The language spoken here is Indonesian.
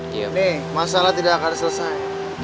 gini masalah tidak akan selesai